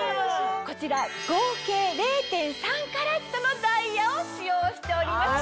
こちら合計０．３カラットのダイヤを使用しております。